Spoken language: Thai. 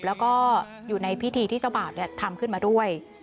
แล้วก็อยู่ในพิธีที่เจ้าบ่าวทำขึ้นมาด้วย